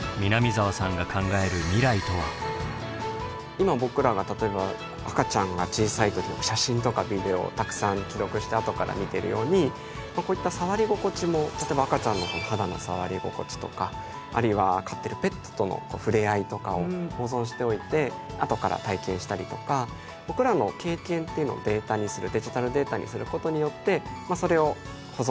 今僕らが例えば赤ちゃんが小さい時の写真とかビデオをたくさん記録してあとから見ているようにこういった触り心地も例えば赤ちゃんの肌の触り心地とかあるいは飼ってるペットとの触れ合いとかを保存しておいてあとから体験したりとか僕らの新しい形での僕らの記憶の保存のしかたっていうのができるかなと思います。